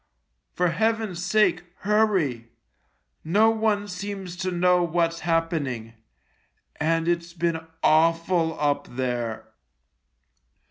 For Heaven's sake, hurry. No one seems to know what's happening — and it's been awful up there."